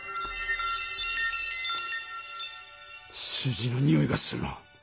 数字のにおいがするな。